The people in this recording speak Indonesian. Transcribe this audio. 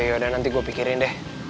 yaudah nanti gue pikirin deh